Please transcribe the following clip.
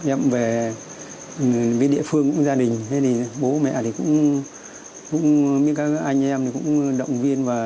em về với địa phương gia đình thế thì bố mẹ thì cũng cũng như các anh em cũng động viên và